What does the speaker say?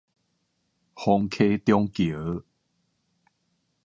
磺溪中橋